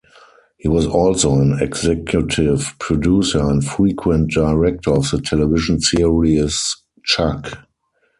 He was also an executive producer and frequent director of the television series "Chuck".